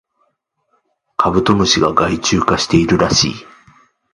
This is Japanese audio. カブトムシが害虫化しているらしい